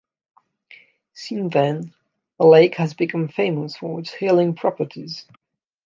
Since then the lake has become famous for its healing properties.